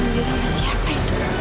nandria siapa itu